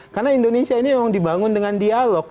karena indonesia ini memang dibangun dengan dialog